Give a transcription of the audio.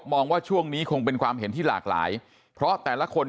ว่าช่วงนี้คงเป็นความเห็นที่หลากหลายเพราะแต่ละคน